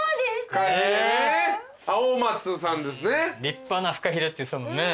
立派なフカヒレって言ってたもんね。